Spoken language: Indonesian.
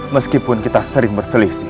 meskipun kita sering berselisih